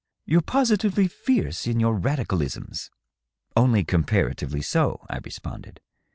You're positively fierce in your radicalisms/' *^ Only comparatively so," I responded.